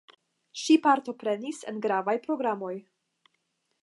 Ŝi partoprenis en gravaj programoj.